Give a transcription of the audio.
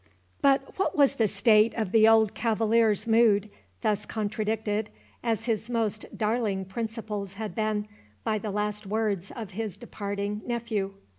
But what was the state of the old cavalier's mood, thus contradicted, as his most darling principles had been, by the last words of his departing nephew?